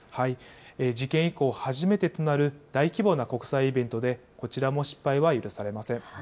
事件以降、初めてとなる大規模な国際イベントで、こちらも失敗は許されません。